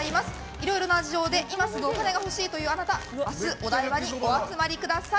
いろいろな事情で今すぐお金がほしいというあなた明日、お台場にお集まりください。